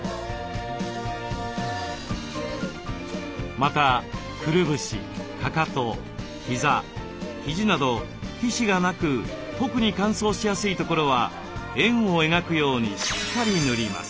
またくるぶしかかとひざひじなど皮脂がなく特に乾燥しやすいところは円を描くようにしっかり塗ります。